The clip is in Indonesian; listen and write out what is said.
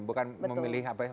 bukan memilih apa ya